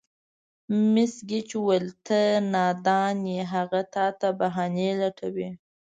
مېس ګېج وویل: ته نادان یې، هغه تا ته بهانې لټوي.